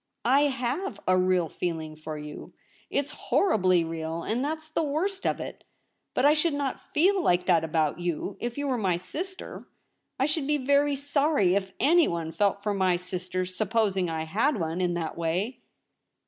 4 /lave a real feeling for you. It's horribly real, and that's the worst of it. But I should not feel like that about you if you were my sister ; I should be very sorry if anyone felt for my sister — supposing I had one — in that LITERA SCRIPT A. 227 way.